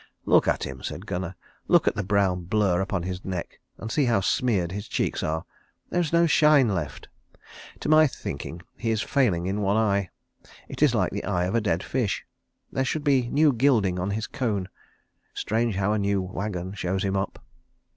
"Look at him," said Gunnar. "Look at the brown blur upon his neck; and see how smeared his cheeks are. There is no shine left. To my thinking he is failing in one eye. It is like the eye of a dead fish. There should be new gilding on his cone. Strange how a new wagon shows him up."